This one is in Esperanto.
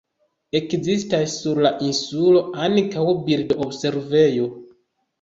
Ekzistas sur la insulo ankaŭ birdo-observejo.